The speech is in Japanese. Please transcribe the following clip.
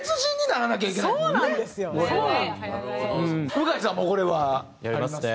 向井さんもこれはありますか？